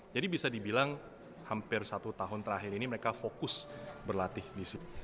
jadi bisa dibilang hampir satu tahun terakhir ini mereka fokus berlatih disitu